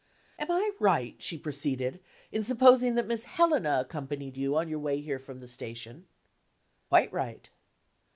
"Am I right," she proceeded, "in supposing that Miss Helena accompanied you on your way here from the station?" "Quite right."